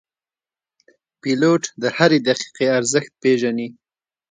پیلوټ د هرې دقیقې ارزښت پېژني.